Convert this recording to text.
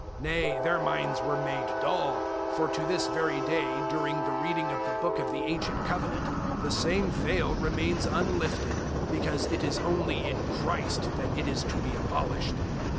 003:014 Nay, their minds were made dull; for to this very day during the reading of the book of the ancient Covenant, the same veil remains unlifted, because it is only in Christ that it is to be abolished.